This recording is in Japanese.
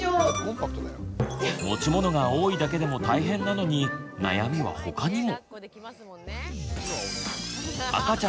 持ち物が多いだけでも大変なのに悩みは他にも。